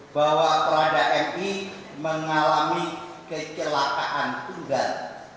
bahwa prada mi mengalami kecelakaan tunggal